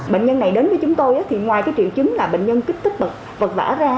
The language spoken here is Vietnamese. bệnh nhân này đến với chúng tôi thì ngoài triệu chứng là bệnh nhân kích thích vật vả ra